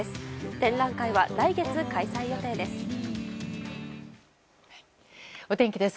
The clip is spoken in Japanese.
展覧会は来月開催予定です。